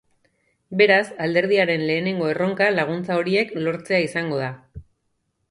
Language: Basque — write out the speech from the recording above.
Beraz, alderdiaren lehenengo erronka laguntza horiek lortzea izango da.